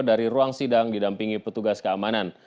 dari ruang sidang didampingi petugas keamanan